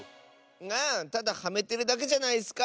あただはめてるだけじゃないッスか！